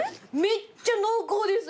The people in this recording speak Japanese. めっちゃ濃厚です。